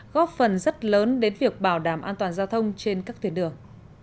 góp phần rất lớn đến việc bảo đảm an toàn giao thông trên các tuyến đường